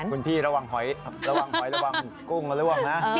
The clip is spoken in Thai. ที่ครับคุณพี่ระวังขวายกุ้งมาเร่วมนะ